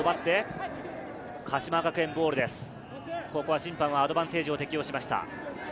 審判はアドバンテージを適用しました。